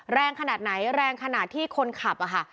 แรงขนาดไหนแรงขนาดที่คนขับอะค่ะ